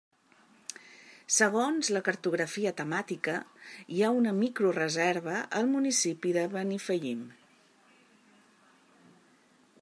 Segons la cartografia temàtica hi ha una microreserva al municipi de Benifallim.